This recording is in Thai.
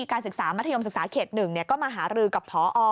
การศึกษามัธยมศึกษาเขต๑ก็มาหารือกับพอ